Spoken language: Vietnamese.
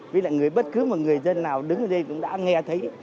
với lại bất cứ người dân nào đứng ở đây cũng đã nghe thấy